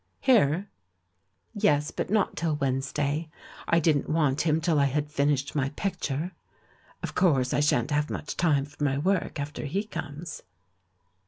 "Here?" "Yes, but not till Wednesday; I didn't want him till I had finished my picture. Of course, I shan't have much time for my work after he comes."